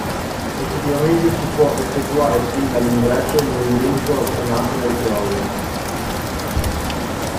Effettivamente si può effettuare sin dall'ingresso il movimento alternato del crawl.